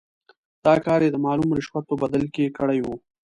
دا کار یې د معلوم رشوت په بدل کې کړی وو.